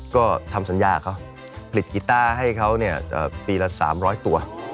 ก็ทำสัญญาของเขาผลิตกีตาร์ให้เขาเนี่ยปีละ๓๐๐ตัว